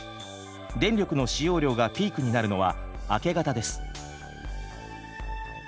電力の使用量がピークになるのは明け方です。